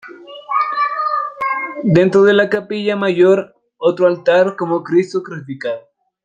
Dentro de la capilla mayor otro altar con un Cristo Crucificado.